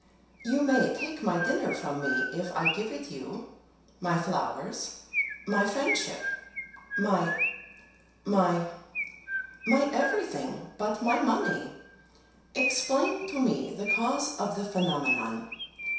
You may take my dinner from me if I give it you, my flowers, my friendship, my, my, my everything, but my money! Explain to me the cause of the phenomenon.